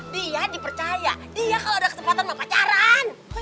dia dipercaya dia kalo ada kesempatan sama pacaran